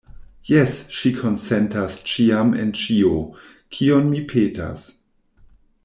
Jes, ŝi konsentas ĉiam en ĉio, kion mi petas.